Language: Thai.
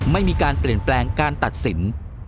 ไม่มีการเปลี่ยนแปลงการตัดสิน